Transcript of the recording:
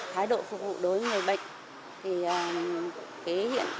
thái độ phục vụ đối với người bệnh